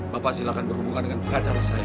bapak silahkan berhubungan dengan pengacara saya